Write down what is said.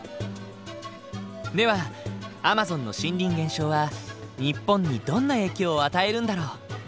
ではアマゾンの森林減少は日本にどんな影響を与えるんだろう？